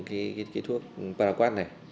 cái thuốc paraquat này